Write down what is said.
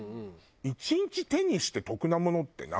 １日手にして得なものって何？